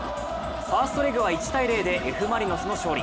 ファーストレグは１−０でＦ・マリノスの勝利。